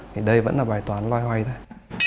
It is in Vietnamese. thì đây vẫn là bài toán loay hoay thôi